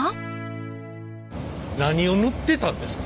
何を塗ってたんですか？